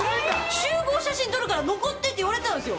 集合写真撮るから残ってって言われたんですよ。